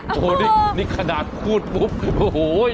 โอ้โหนี่ขนาดพูดปุ๊บโอ้โห